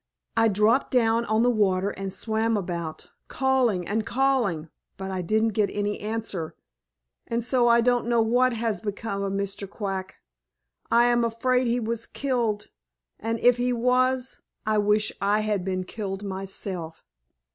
I dropped down on the water and swam about, calling and calling, but I didn't get any answer, and so I don't know what has become of Mr. Quack. I am afraid he was killed, and if he was, I wish I had been killed myself."